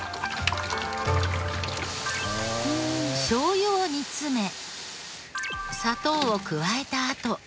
しょうゆを煮詰め砂糖を加えたあと。